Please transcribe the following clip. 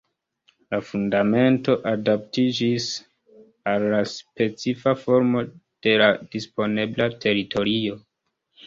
La fundamento adaptiĝis al la specifa formo de la disponebla teritorio.